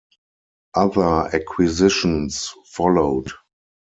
Other acquisitions followed.